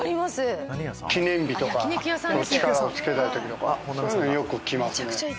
記念日とか力をつけたい時とかよく来ますね。